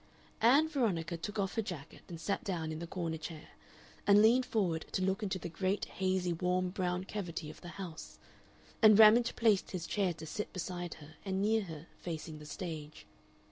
Ann Veronica took off her jacket and sat down in the corner chair, and leaned forward to look into the great hazy warm brown cavity of the house, and Ramage placed his chair to sit beside her and near her, facing the stage.